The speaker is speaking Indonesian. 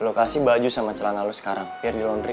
lokasi baju sama celana lo sekarang biar di laundry